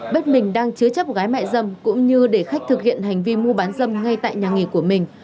biết mình đang chứa chấp gái mại dâm cũng như để khách thực hiện hành vi mua bán dâm ngay tại nhà nghỉ của mình